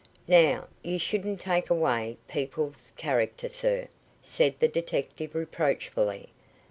"Now, you shouldn't take away people's character, sir," said the detective reproachfully.